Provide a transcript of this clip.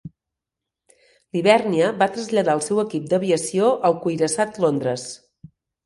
L'"Hibernia" va traslladar el seu equip d'aviació al cuirassat "Londres".